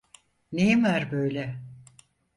Neyin var böyle?